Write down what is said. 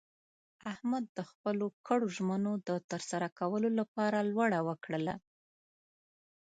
احمد د خپلو کړو ژمنو د ترسره کولو لپاره لوړه وکړله.